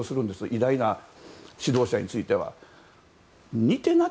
偉大な指導者については。